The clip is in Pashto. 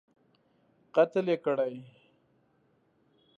قتل یې کړی.